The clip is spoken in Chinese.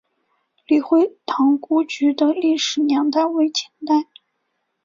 李惠堂故居的历史年代为清代。